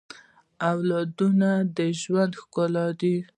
اولادونه د ژوند ښکلا ده